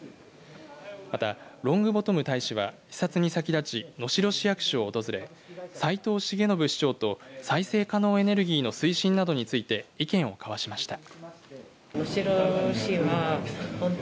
またロングボトム大使は視察に先立ち能代市役所を訪れ斉藤滋宣市長と再生可能エネルギーの推進などについて意見を交わしました。